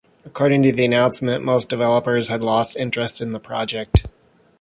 According to the announcement most developers had lost interest in the project.